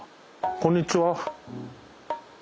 こんにちは。